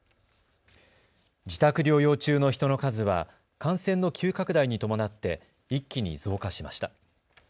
自宅療養中の人の数は感染の急拡大に伴って一気に増加しました。